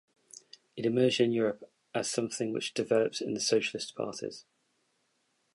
It emerged in Europe as something which developed in the socialist parties.